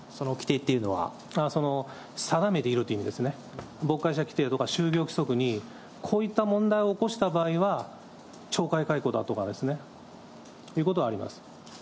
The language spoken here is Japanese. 定めているという意味ですね、ぼっかいしゃ規定とか就業規則に、こういった問題を起こした場合は、懲戒解雇だとか、ということはあります。